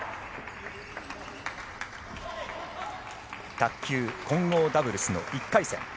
卓球混合ダブルスの１回戦。